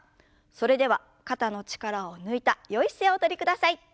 それでは肩の力を抜いたよい姿勢をおとりください。